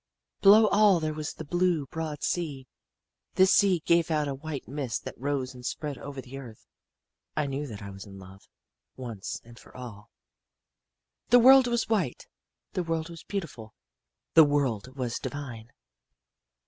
"Below all there was the blue, broad sea. This sea gave out a white mist that rose and spread over the earth. I knew that I was in love, once and for all. "The world was white. The world was beautiful. The world was divine.